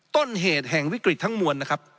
ต้นเหตุแห่งวิกฤตทั้งมวลนะครับ